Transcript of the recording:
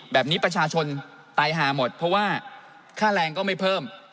ประชาชนตายหาหมดเพราะว่าค่าแรงก็ไม่เพิ่ม